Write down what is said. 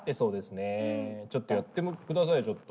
ちょっとやってくださいよちょっと。